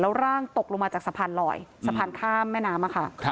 ร่างตกลงมาจากสะพานลอยสะพานข้ามแม่น้ำค่ะ